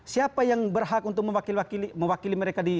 siapa yang berhak untuk mewakili mereka di